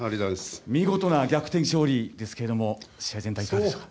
見事な逆転勝利ですけど試合全体、いかがでしたか？